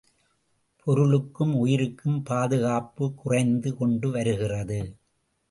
பொருளுக்கும் உயிர்க்கும் பாதுகாப்புக் குறைந்து கொண்டு வருகிறது.